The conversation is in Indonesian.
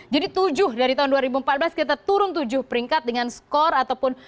jadi tujuh dari tahun dua ribu empat belas kita turun tujuh peringkat dengan skor ataupun